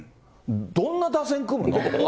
どんな打線組むの？